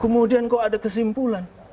kemudian kok ada kesimpulan